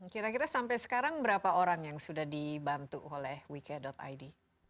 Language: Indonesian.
kira kira sampai sekarang berapa orang yang sudah dibantu oleh wike id